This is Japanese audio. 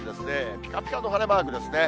ぴかぴかの晴れマークですね。